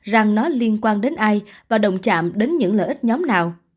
rằng nó liên quan đến ai và đồng chạm đến những lợi ích nhóm nào